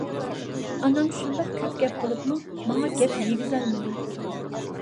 ئانام شۇنداق كۆپ گەپ قىلىپمۇ ماڭا گەپ يېگۈزەلمىدى.